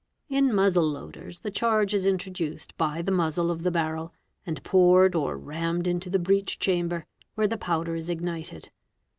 * In muzzle loaders the charge is introduced by the muzzle of the barrel and poured or rammed into the breech chamber,' where the powder is ignited.